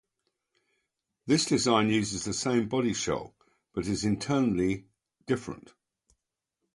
This design uses the same body shell but is internally different.